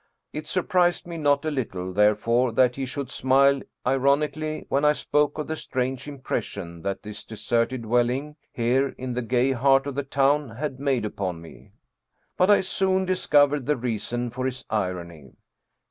It surprised me not a little, therefore, that he should smile ironically when I spoke of the strange impression that this deserted dwelling, here in the gay heart of the town, had made upon me. 'But I soon discovered the reason for his irony.